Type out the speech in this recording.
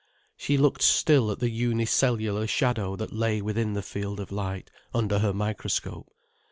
She looked still at the unicellular shadow that lay within the field of light, under her microscope.